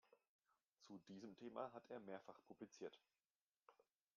Zu diesem Thema hat er mehrfach publiziert.